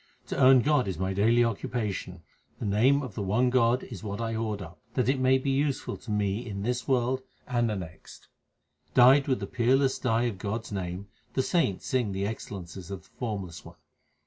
To earn God is my daily occupation ; The name of the one God is what I hoard up, That it may be useful to me in this world and the next. Dyed with the peerless dye of God s name, The saints sing the excellences of the Formless One.